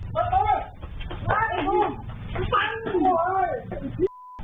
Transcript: มันต้องมันต้องมันต้องมันต้อง